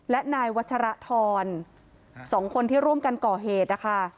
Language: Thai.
และนายวัชรทร๒คนที่ร่วมกันก่อเหตุนะคะ